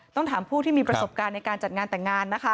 ถามผู้ที่มีประสบการณ์ในการจัดงานแต่งงานนะคะ